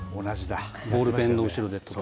ボールペンの後ろで。